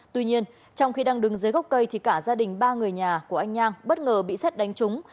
tuy nhiên trong khi đang đứng dưới gốc cây thì cả gia đình ba người nhà của anh nhang bất ngờ bị xét đánh trúng